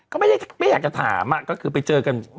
ก็ไม่อยากจะถามก็คือไปเจอกัน